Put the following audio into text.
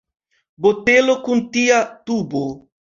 Botelo kun tia tubo.